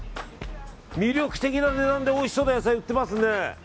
魅力的な値段でおいしそうな野菜を売っていますね。